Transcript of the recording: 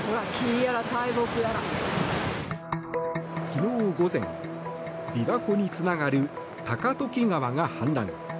昨日午前琵琶湖につながる高時川が氾濫。